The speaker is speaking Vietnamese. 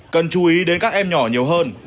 cần chú ý đến các em nhỏ nhiều hơn